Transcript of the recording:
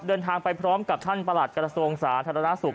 เดินทางไปพร้อมกับท่านประหลัดกระทรวงศาสตร์ธรรมนาศุกร์